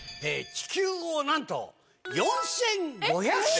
地球をなんと４５００周！